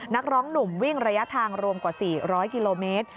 นักร้องหนุ่มวิ่งระยะทางรวมกว่า๔๐๐กิโลเมตร